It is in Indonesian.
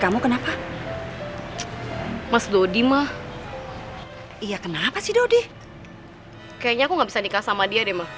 kamu kenapa mas dodi mah ya kenapa sih dodi kayaknya aku nggak bisa nikah sama dia deh mah